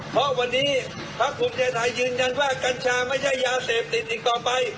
เพราะวันนี้พักภูมิใจไทยยืนยันว่ากัญชาไม่ใช่ยาเสพติดอีกต่อไป